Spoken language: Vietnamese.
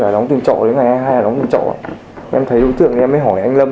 anh em thấy đối tượng thì em mới hỏi anh lâm